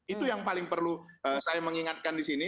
itu yang paling perlu saya mengingatkan di sini